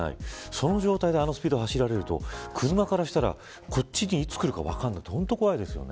その状態であのスピードで走られると、車からしたらこっちにいつ来るか分からないから怖いですよね。